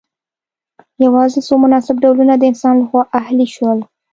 یوازې څو مناسب ډولونه د انسان لخوا اهلي شول.